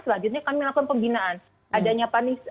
selanjutnya kami melakukan pembinaan